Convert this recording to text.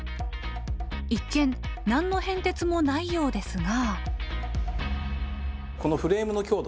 一見何の変哲もないようですが。